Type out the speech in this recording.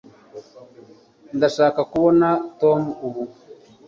ndashaka kubona tom ubu